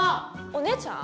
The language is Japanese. お姉ちゃん？